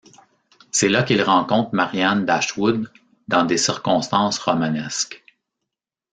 C'est là qu'il rencontre Marianne Dashwood dans des circonstances romanesques.